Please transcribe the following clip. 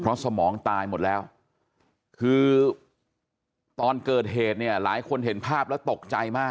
เพราะสมองตายหมดแล้วคือตอนเกิดเหตุเนี่ยหลายคนเห็นภาพแล้วตกใจมาก